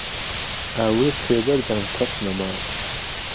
ئاورت تێ بهردام کهس نهماو